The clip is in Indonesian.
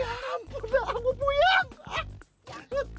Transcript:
ya ampun aku puyeng